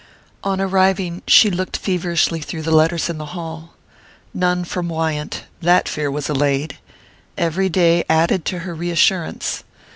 On arriving, she looked feverishly through the letters in the hall. None from Wyant that fear was allayed! Every day added to her reassurance.